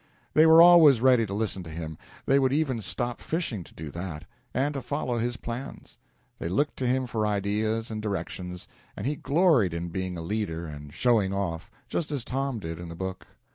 They were always ready to listen to him they would even stop fishing to do that and to follow his plans. They looked to him for ideas and directions, and he gloried in being a leader and showing off, just as Tom did in the book.